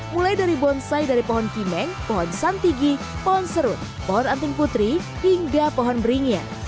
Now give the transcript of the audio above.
mulai dari bonsai dari pohon pimeng pohon santigi pohon serut pohon anting putri hingga pohon beringin